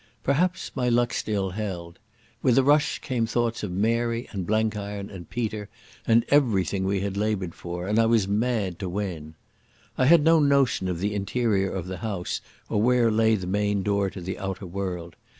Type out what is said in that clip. Perhaps my luck still held. With a rush came thoughts of Mary and Blenkiron and Peter and everything we had laboured for, and I was mad to win. I had no notion of the interior of the house or where lay the main door to the outer world.